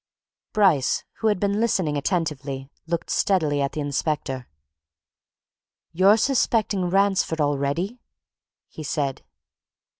Bryce, who had been listening attentively, looked steadily at the inspector. "You're suspecting Ransford already!" he said.